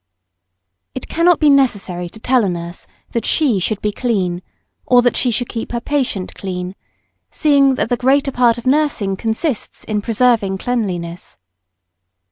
] It cannot be necessary to tell a nurse that she should be clean, or that she should keep her patient clean, seeing that the greater part of nursing consists in preserving cleanliness.